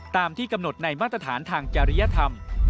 ตามที่กำหนดในมาตรฐานทางจริยธรรม